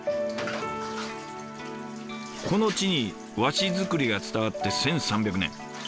この地に和紙作りが伝わって１，３００年。